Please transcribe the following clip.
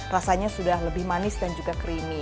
rasanya sudah lebih manis dan juga creamy